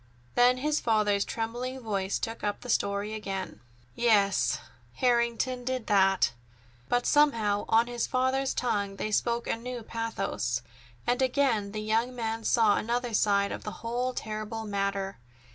Then his father's trembling voice took up the story again: "Yes, Harrington did that!" They were Charles's own words, but somehow, on his father's tongue, they spoke a new pathos, and again the young man saw another side to the whole terrible matter.